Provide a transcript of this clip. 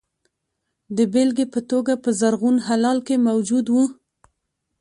د بېلګې په توګه په زرغون هلال کې موجود وو.